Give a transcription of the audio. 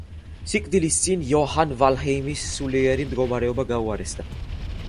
სიკვდილის წინ იოჰან ვილჰელმის სულიერი მდგომარეობა გაუარესდა.